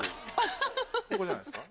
ここじゃないですか。